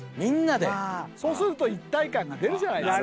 そうすると一体感が出るじゃないですか。